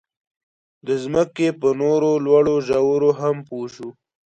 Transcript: د ځمکې په نورو لوړو ژورو هم پوه شو.